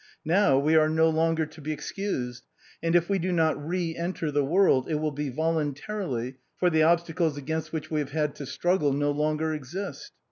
Now we are no longer to be excused, and if we do not re enter the world, it will be voluntarily, for the obstacles against which we have had to struggle no longer exist."